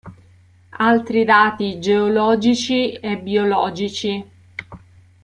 Altri dati geologici e biologici:.